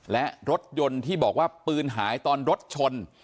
และรถยนต์ที่บอกว่าปืนหายตอนรถชน